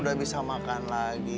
udah bisa makan lagi